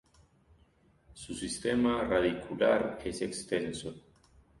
Su sistema radicular es extenso.